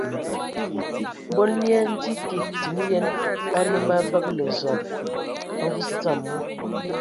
Mbol mii andzi kig din yen anǝ mə abǝgǝlǝ Zɔg a mvus dzam mu.